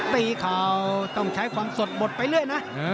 ข่าวต้องใช้ความสดบดไปเรื่อยนะ